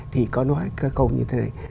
thì có nói câu như thế này